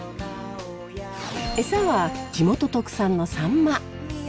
エサは地元特産のサンマ！